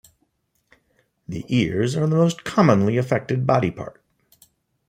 The ears are the most commonly affected body part.